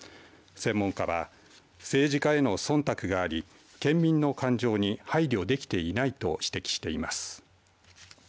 専門家は政治家へのそんたくがあり県民の感情に配慮できていないと指摘しています。